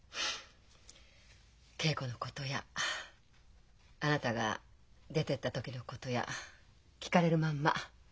桂子のことやあなたが出てった時のことや聞かれるまんま。